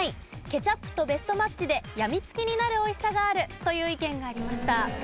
ケチャップとベストマッチで病みつきになる美味しさがあるという意見がありました。